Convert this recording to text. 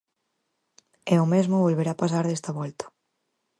E o mesmo volverá pasar desta volta.